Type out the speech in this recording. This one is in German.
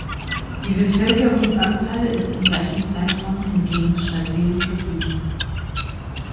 Die Bevölkerungsanzahl ist im gleichen Zeitraum hingegen stabil geblieben.